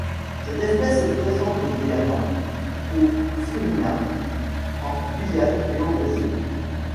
Cette espèce est présente au Guyana, au Suriname, en Guyane et au Brésil.